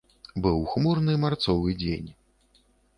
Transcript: Быў хмурны марцовы дзень.